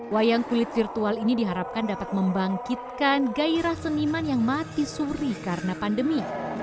wayang kulit virtual ini diharapkan dapat membangkitkan gairah seniman yang mati suri karena pandemi